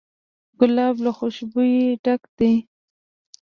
ګلاب له خوشبویۍ ډک دی.